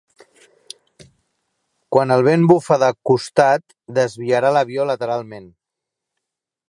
Quan el vent bufa de constat desviarà a l'avió lateralment.